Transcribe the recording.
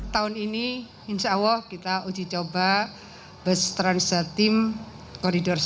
tahun ini insya allah kita uji coba bus trans jatim koridor